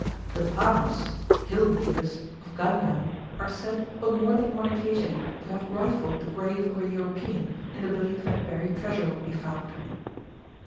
The Panos (hill weavers) of Ganjam are said, on more than one occasion, to have rifled the grave of a European, in the belief that buried treasure would be found.